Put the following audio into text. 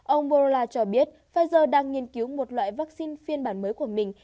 ông borola cho biết pfizer đang nghiên cứu một loại vaccine phiên bản mới của mình